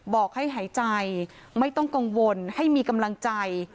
บอกให้หายใจไม่ต้องกังวลให้มีกำลังใจ